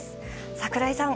櫻井さん